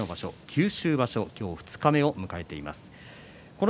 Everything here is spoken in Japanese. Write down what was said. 九州場所、今日二日目を迎えています。